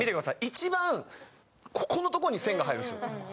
一番ここの所に線が入るんですよ。